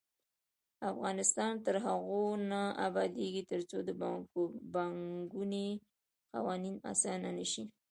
افغانستان تر هغو نه ابادیږي، ترڅو د پانګونې قوانین اسانه نشي.